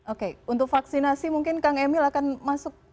oke untuk vaksinasi mungkin kang emil akan masuk